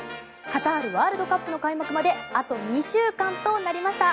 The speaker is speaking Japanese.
カタールワールドカップの開幕まであと２週間となりました。